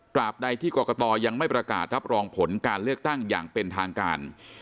บใดที่กรกตยังไม่ประกาศรับรองผลการเลือกตั้งอย่างเป็นทางการ